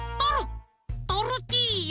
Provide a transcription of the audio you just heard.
トルティーヤ！